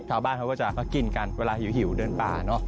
ชาวบ้านเขาก็จะเขากินกันเวลาหิวเดินป่าเนอะ